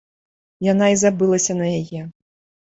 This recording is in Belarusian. Яна і забылася на яе.